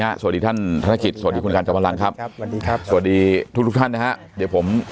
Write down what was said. ห้าสวัสดีท่านธนาคิดพลังครับสวัสดีถูกค่ะเดี๋ยวผมขอ